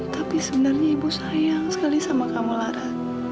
tapi sebenarnya ibu sayang sekali sama kamu lara